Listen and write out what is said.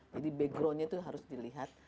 jadi backgroundnya itu harus dilihat